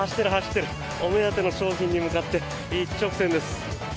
お目当ての商品に向かって一直線です。